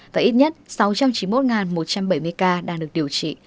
và ít nhất sáu trăm chín mươi một một trăm bảy mươi ca đang được điều trị